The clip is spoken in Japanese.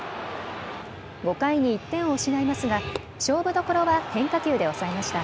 ５回に１点を失いますが勝負どころは変化球で抑えました。